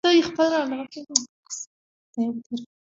هغه زړې جینس او ژیړ ټي شرټ اغوستی و